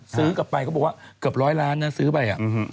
ซื้อกลับไปเขาบอกว่าเกือบร้อยล้านนะซื้อไป